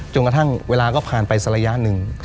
กระทั่งเวลาก็ผ่านไปสักระยะหนึ่ง